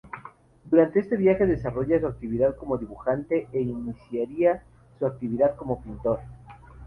Durante este viaje desarrollaría su actividad como dibujante e iniciaría su actividad como pintor.